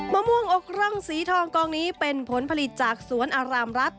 มะม่วงอกร่องสีทองกองนี้เป็นผลผลิตจากสวนอารามรัฐ